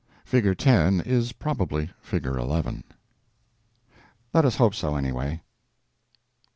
(Figure 9) is probably (Figure 10). Let us hope so, anyway.